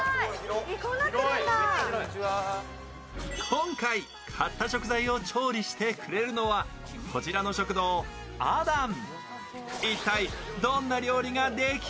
今回買った食材を調理してくれるのはこちらの食堂、あだん。